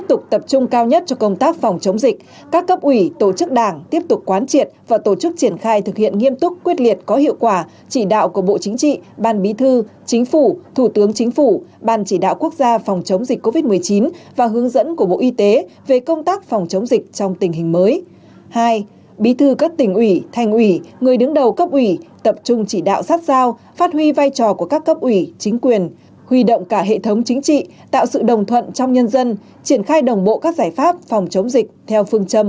ba huy động cả hệ thống chính trị tạo sự đồng thuận trong nhân dân triển khai đồng bộ các giải pháp phòng chống dịch theo phương châm bốn tại chỗ